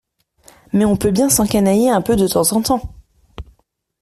mais on peut bien s’encanailler un peu de temps en temps.